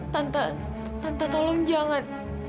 tante tante tolong jangan